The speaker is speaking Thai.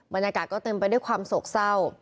บรรยากาศก็เต็มไปด้วยความโศกเศร้า